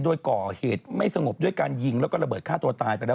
โดยก่อเหตุไม่สงบด้วยการยิงแล้วก็ระเบิดฆ่าตัวตายไปแล้ว